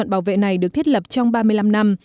bảo vệ này được thiết lập trong ba mươi năm năm